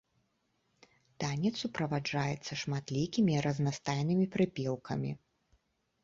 Танец суправаджаецца шматлікімі і разнастайнымі прыпеўкамі.